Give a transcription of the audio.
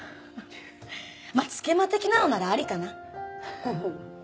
まあツケマ的なのならありかな。